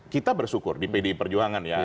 kita bersyukur di pdi perjuangan ya